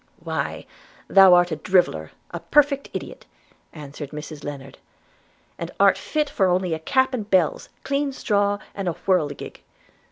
'Why, thou art a driveller, a perfect idiot,' answered Mrs Lennard, 'and art fit only for a cap and bells, clean straw, and a whirligig.